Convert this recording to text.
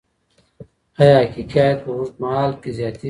ایا حقیقي عاید په اوږدمهال کي زیاتیږي؟